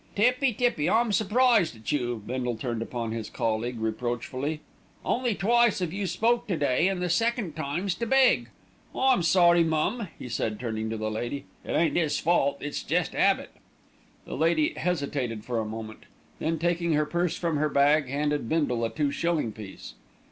"Tippy, Tippy! I'm surprised at you!" Bindle turned upon his colleague reproachfully. "Only twice 'ave you spoke to day, an' the second time's to beg. I'm sorry, mum," he said, turning to the lady. "It ain't 'is fault. It's jest 'abit." The lady hesitated for a moment, then taking her purse from her bag, handed Bindle a two shilling piece.